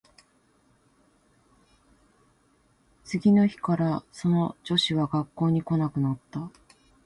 次の日からその女子は学校に来なくなった